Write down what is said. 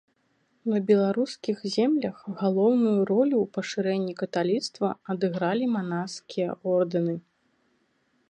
На беларускіх землях галоўную ролю ў пашырэнні каталіцтва адыгралі манаскія ордэны.